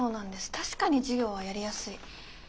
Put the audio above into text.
確かに授業はやりやすい。